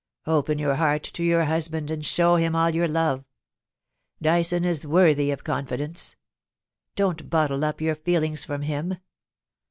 Open your heart to your husband, and show him all your love ; Dyson is worthy of confidence. Don't bottle up your feelings from him.